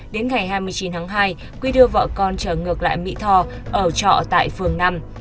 đến ngày hai mươi chín tháng hai quy đưa vợ con trở ngược lại mỹ tho ở trọ tại phường năm